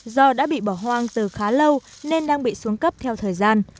do đã bị bỏ hoang từ khá lâu nên đang bị xuống cấp theo thời gian